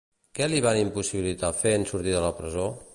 Què li van impossibilitar fer en sortir de la presó?